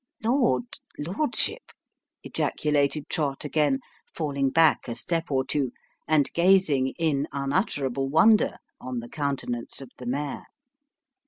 " Lord lordship ?" ejaculated Trott again, falling back a step or two, and gazing, in unutterable wonder, on the countenance of the mayor.